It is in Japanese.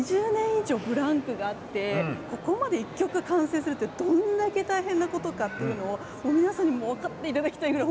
以上ブランクがあってここまで１曲完成するってどんだけ大変なことかを皆さんにも分かっていただきたいぐらい